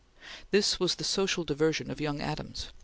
This was the social diversion of young Adams.